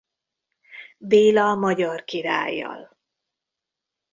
Béla magyar királlyal.